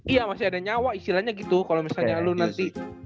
iya masih ada nyawa istilahnya gitu kalau misalnya lo nanti